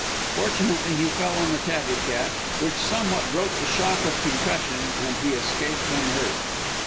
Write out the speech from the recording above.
Fortunately, he fell on the tabby cat, which somewhat broke the shock of concussion, and he escaped unhurt.